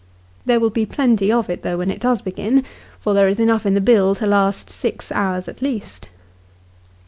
There will be plenty of it, though, when it does begin, for there is enough in the bill to last six hours at least.